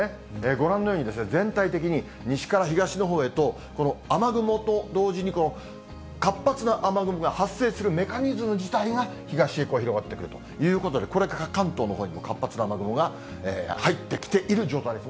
ご覧のように、全体的に西から東のほうへと、この雨雲と同時に、この活発な雨雲が発生するメカニズム自体が東へ広がってくるということで、これから関東のほうにも活発な雨雲が入ってきている状態です。